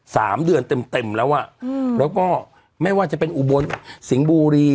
สามเดือนเต็มเต็มแล้วอ่ะอืมแล้วก็ไม่ว่าจะเป็นอุบลสิงห์บุรี